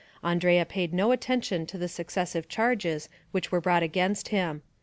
Andrea paid no attention to the successive charges which were brought against him.